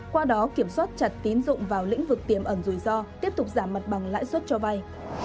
qua đó kiểm soát chặt tín dụng vào lĩnh vực tiềm ẩn rủi ro tiếp tục giảm mặt bằng lãi suất cho vay